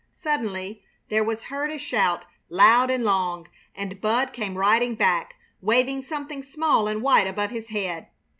Suddenly there was heard a shout loud and long, and Bud came riding back, waving something small and white above his head.